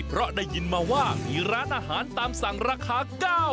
เพราะได้ยินมาว่ามีร้านอาหารตามสั่งราคา